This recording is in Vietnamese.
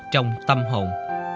trong tâm hồn